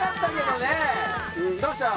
どうした？